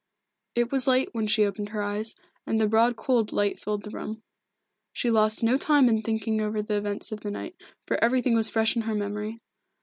It was late when she opened her eyes, and the broad cold light filled the room. She lost no time in thinking over the events of the night, for everything was fresh in her memory.